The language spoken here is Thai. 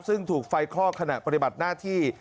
ซึ่งถูกไฟคลอกขณะปฏิบัติหน้าที่